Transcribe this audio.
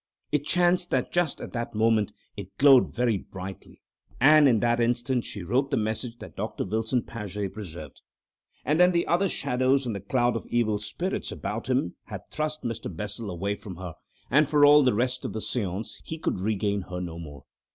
It chanced that just at that moment it glowed very brightly, and in that instant she wrote the message that Doctor Wilson Paget preserved. And then the other shadows and the cloud of evil spirits about him had thrust Mr. Bessel away from her, and for all the rest of the seance he could regain her no more.